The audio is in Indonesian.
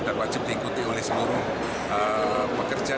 dan wajib diikuti oleh seluruh pekerja